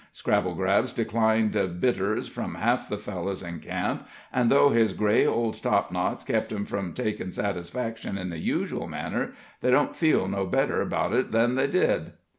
Scrabblegrab's declined bitters from half the fellers in camp, an' though his gray old topknot's kept 'em from takin' satisfaction in the usual manner, they don't feel no better 'bout it than they did."